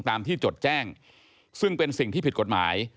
ตามที่จดแจ้งซึ่งเป็นสิ่งที่ผิดกฎหมาย